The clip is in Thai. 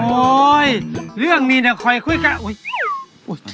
โอ้ยเรื่องนี้นะคอยคุยกับ